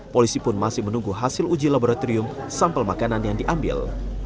polisi pun masih menunggu hasil uji laboratorium sampel makanan yang diambil